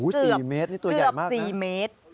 เกือบ๔เมตร